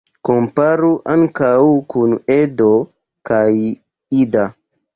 Komparu ankaŭ kun "Edo" kaj "Ida".